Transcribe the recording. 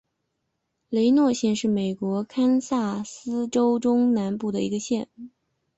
雷诺县是美国堪萨斯州中南部的一个县。